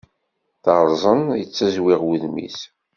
Teṛẓen, yettiẓwiɣ wudem-is.